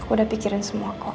udah pikirin semua kok